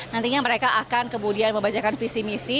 nantinya mereka akan kemudian membacakan visi misi